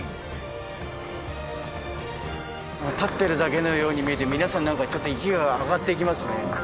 立ってるだけのように見えて皆さんちょっと息が上がっていきますね。